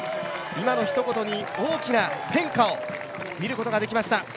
今のひと言に大きな変化を見ることができました。